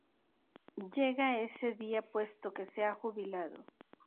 Llega ese día puesto que se ha jubilado.